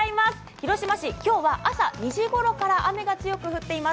広島市、今日は朝２時ごろから雨が強く降っています。